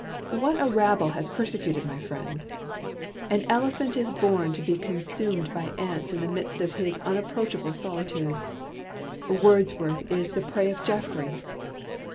What a rabble has persecuted my friend ! An elephant is born to be consumed by ants in the midst of his unapproachable solitudes : Wordsworth is the prey of Jeffrey.